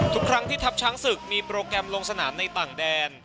ทุกครั้งที่ทัพช้างศึกมีโปรแกรมลงสนามในต่างแดน